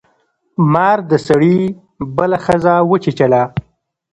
مار د سړي بله ښځه وچیچله.